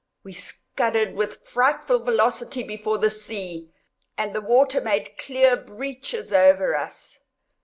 We scudded with frightful velocity before the sea, and the water made clear breaches over us.